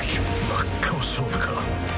真っ向勝負か。